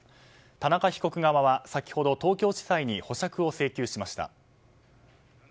田中被告側は先ほど東京地裁に保釈を請求しました。